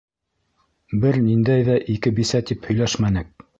Бер ниндәй ҙә ике бисә тип һөйләшмәнек.